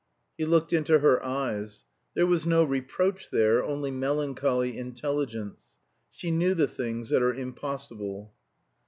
He looked into her eyes; there was no reproach there, only melancholy intelligence. She knew the things that are impossible.